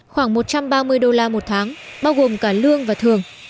khoảng một trăm ba mươi đô la một tháng bao gồm cả lợi nhuận